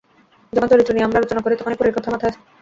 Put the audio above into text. যখন চরিত্র নিয়ে আমরা আলোচনা করি তখনই পরীর কথা মাথা আসে।